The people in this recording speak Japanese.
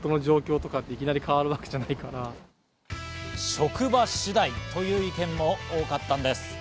職場次第という意見も多かったんです。